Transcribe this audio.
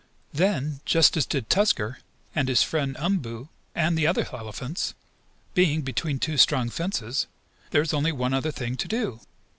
Then, just as did Tusker, and his friend Umboo and the other elephants, being between two strong fences, there is only one other thing to do.